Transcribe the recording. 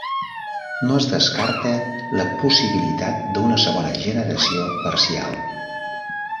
No es descarta la possibilitat d'una segona generació parcial.